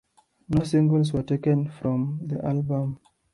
No singles were taken from the album.